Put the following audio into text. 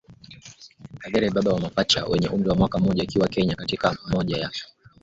Kagere baba wa mapacha wenye umri wa mwaka mmoja akiwa Kenya katika moja ya